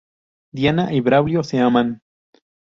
Diana y Braulio se aman.